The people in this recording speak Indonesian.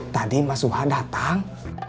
tadi mas suha datang